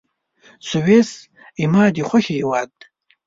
سویس زما د خوښي هېواد دی.